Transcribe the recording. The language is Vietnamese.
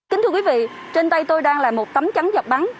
kính thưa quý vị trên tay tôi đang là một tấm trắng giọt bắn